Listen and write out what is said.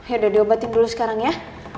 yaudah diobatin dulu sekarang ya